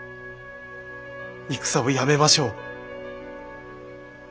戦をやめましょう。